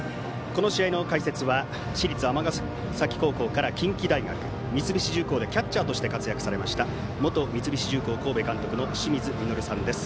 この試合の解説は市立尼崎高校から近畿大学、三菱重工でキャッチャーとして活躍された元三菱重工神戸監督の清水稔さんです。